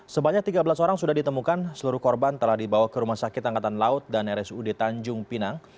sebanyak tiga belas orang sudah ditemukan seluruh korban telah dibawa ke rumah sakit angkatan laut dan rsud tanjung pinang